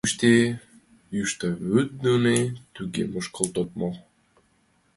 Йӱштӧ вӱд дене тыге мушкылтыт мо?